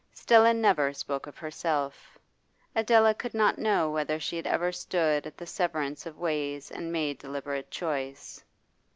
Stella never spoke of herself; Adela could not know whether she had ever stood at the severance of ways and made deliberate choice.